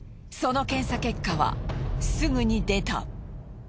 その検査結果はすぐに出た。